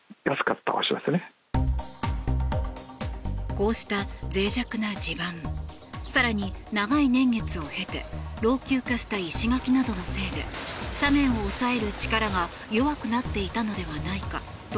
こうした脆弱な地盤更に、長い年月を経て老朽化した石垣などのせいで斜面を押さえる力が弱くなっていたのではないかと